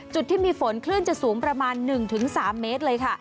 จุดที่มีฝนคลื่นจะสูงประมาณ๑๓เมตรเลยค่ะ